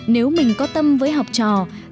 nếu mình có tâm với học trò